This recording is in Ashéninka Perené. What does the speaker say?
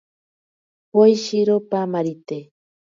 Poeshiro paamarite.